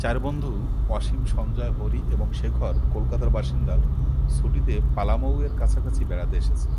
চার বন্ধু, অসীম, সঞ্জয়, হরি এবং শেখর, কলকাতার বাসিন্দা, ছুটিতে পালামৌ এর কাছাকাছি বেড়াতে এসেছে।